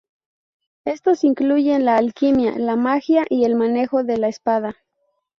Estos incluyen la alquimia, la magia y el manejo de la espada.